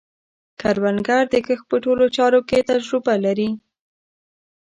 کروندګر د کښت په ټولو چارو کې تجربه لري